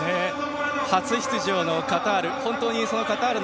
初出場のカタール。